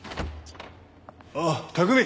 あっ拓海！